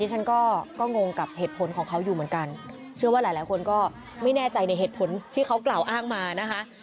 ฉันก็งงกับเหตุผลของเขาอยู่เหมือนกันเชื่อว่าหลายคนก็ไม่แน่ใจในเหตุผลที่เขากล่าวอ้างมานะคะ